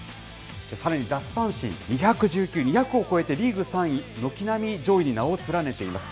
さらに、奪三振２１９、２００を超えてリーグ３位、軒並み上位に名を連ねています。